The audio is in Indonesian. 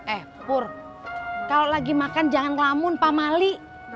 eh pur kalau lagi makan jangan lamun pak mali